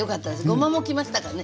ごまもきましたかね？